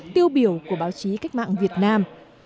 tiêu biểu của báo chí cách mạng việt nam